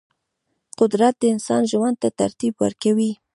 قدرت د انسان ژوند ته ترتیب ورکوي.